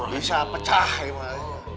bisa pecah iya maung